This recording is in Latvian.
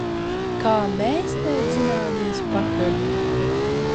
Kā mēs tev dzināmies pakaļ!